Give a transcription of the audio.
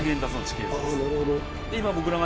なるほど。